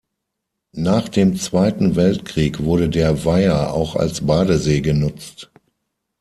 Nach dem Zweiten Weltkrieg wurde der Weiher auch als Badesee genutzt.